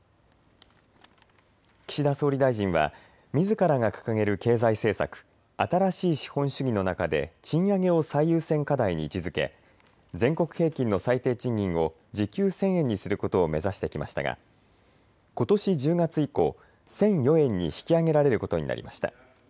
岸田総理大臣はみずからが掲げる経済政策、新しい資本主義の中で賃上げを最優先課題に位置づけ全国平均の最低賃金を時給１０００円にすることを目指してきましたがことし１０月以降、１００４円に引き上げられることになりました。